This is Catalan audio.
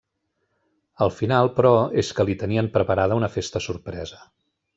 Al final, però, és que li tenien preparada una festa sorpresa.